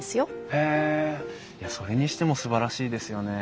へえいやそれにしてもすばらしいですよね。